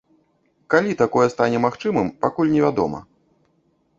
Калі такое стане магчымым, пакуль невядома.